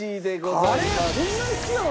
カレーそんなに好きなの？